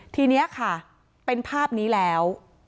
ทีนี้ค่ะเป็นภาพนี้แล้ว